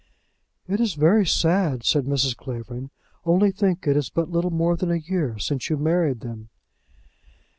"It is very sad," said Mrs. Clavering; "only think, it is but little more than a year since you married them!"